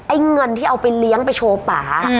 เงินที่เอาไปเลี้ยงไปโชว์ป่า